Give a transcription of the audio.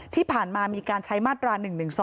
ที่ผ่านมามีการใช้มาตรา๑๑๒